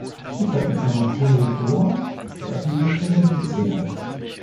Die Plattenfirma Polydor veröffentlichte die Single.